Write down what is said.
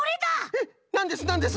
えっなんですなんです？